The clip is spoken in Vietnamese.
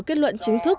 kết luận chính thức